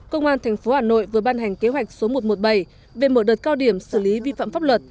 công an tp hà nội vừa ban hành kế hoạch số một trăm một mươi bảy về mở đợt cao điểm xử lý vi phạm pháp luật